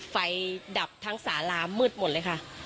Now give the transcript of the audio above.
ไฟปรักษัจแบบดินทั้งสาราเงินมืดมึดเลยค่ะ